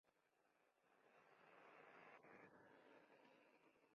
La tenencia estaba a cargo del tenente.